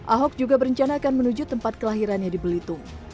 ahok juga berencana akan menuju tempat kelahirannya di belitung